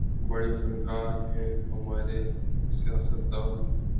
بڑے فنکار ہیں ہمارے سیاستدان